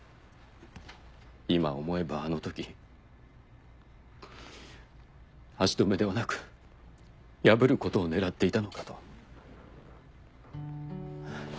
今思えばあのとき足止めではなく破ることを狙っていたのかと。